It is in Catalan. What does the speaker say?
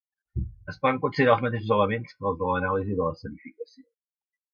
Es poden considerar els mateixos elements que els de l'anàlisi de l'escenificació.